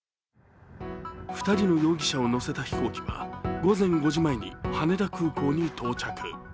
２人の容疑者を乗せた飛行機は午前５時前に羽田空港に到着。